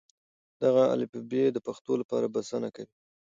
دغه الفبې د پښتو لپاره بسنه نه کوي.